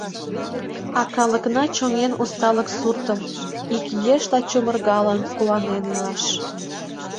А калыкна чоҥен усталык суртым, ик ешла чумыргалын, куанен илаш.